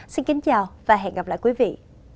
xin kính chào và hẹn gặp lại quý vị